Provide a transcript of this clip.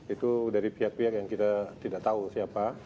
itu dari pihak pihak yang kita tidak tahu siapa